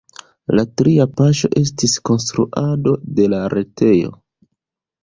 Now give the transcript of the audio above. La tria paŝo estis konstruado de la retejo.